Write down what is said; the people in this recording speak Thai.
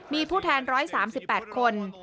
มีผู้แทน๑๓๘คน